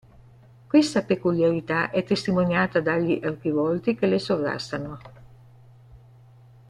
Questa peculiarità è testimoniata dagli archivolti che le sovrastano.